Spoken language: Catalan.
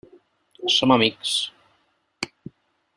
Som amics.